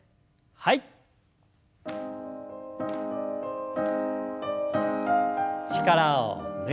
はい。